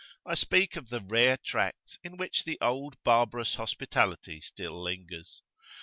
I speak of the rare tracts in which the old barbarous hospitality still lingers.